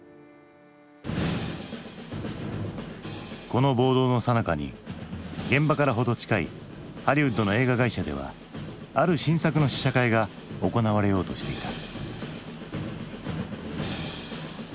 この暴動のさなかに現場から程近いハリウッドの映画会社ではある新作の試写会が行われようとしていた。